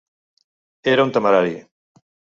Era un temerari.